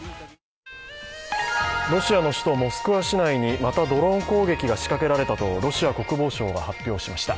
ロシアの首都モスクワ市内にまたドローン攻撃が仕掛けられたと、ロシア国防省が発表しました。